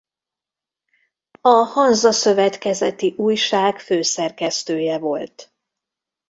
A Hanza Szövetkezeti Újság főszerkesztője volt.